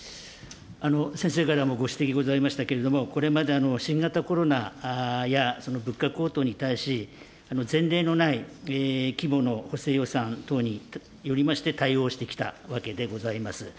先生からもご指摘ございましたけれども、これまで、新型コロナや物価高騰に対し、前例のない規模の補正予算等によりまして対応してきたわけでございます。